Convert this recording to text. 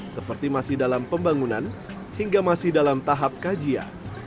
seperti masih dalam pembangunan hingga masih dalam tahap kajian